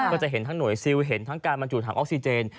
ก็จะเห็นทั้งหน่วยซิลเห็นทั้งการบรรจุถังออกซิเจน